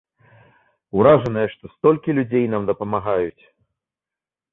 Уражаныя, што столькі людзей нам дапамагаюць.